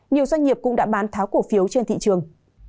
nhiều doanh nghiệp cũng đã bán tháo cổ phiếu trên thị trường